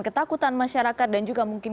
ketakutan masyarakat dan juga mungkin